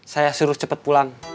saya suruh cepat pulang